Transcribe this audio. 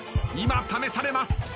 今試されます。